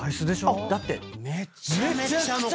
だって。